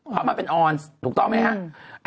เพราะมันเป็นออนถูกต้องไหมครับ